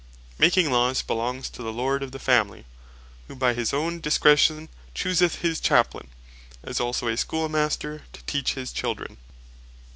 Making Laws belongs to the Lord of the Family; who by his owne discretion chooseth his Chaplain, as also a Schoolmaster to Teach his children.